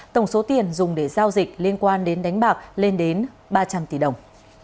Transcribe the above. tổng số tiền dùng để giao dịch liên quan đến đánh bạc lên đến ba trăm linh tỷ đồng